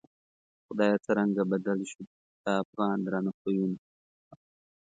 خدایه څرنگه بدل شوو، د افغان درانه خویونه